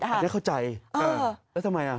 บุคคลอันตรายแล้วทำไมอะ